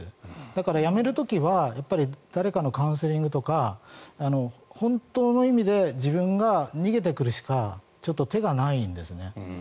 だから、やめる時は誰かのカウンセリングとか本当の意味で自分が逃げてくるしかちょっと手がないんです。